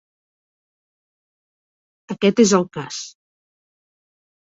Aquest és el cas.